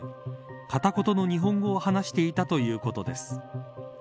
片言の日本語を話していたということです。